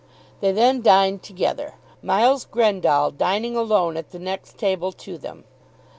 They then dined together, Miles Grendall dining alone at the next table to them.